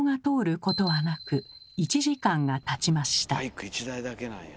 バイク１台だけなんや。